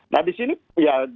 nah di sini ya